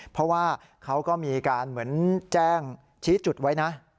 เพราะว่าเขาก็มีการเหมือนแจ้งชี้จุดไว้นะ